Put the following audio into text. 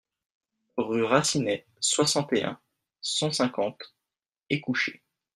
Rue Racinet, soixante et un, cent cinquante Écouché